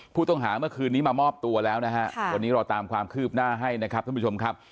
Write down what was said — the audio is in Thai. ผู้ต้องหาเมื่อคืนนี้มามอบตัวแล้วนะฮะวันนี้เราตามความคืบหน้าให้นะครับท่านผู้ชมครับ